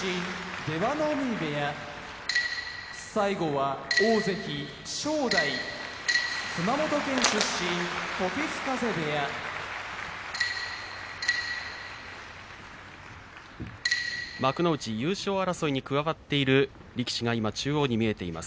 出羽海部屋大関・正代熊本県出身時津風部屋幕内、優勝争いに加わっている力士が、今中央に見えています。